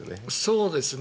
そうですね。